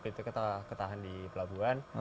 itu ketahan di pelabuhan